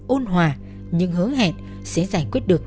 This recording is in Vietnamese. ôn hòa nhưng hứa hẹn sẽ giải quyết được